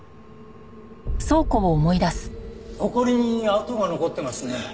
ほこりに跡が残ってますね。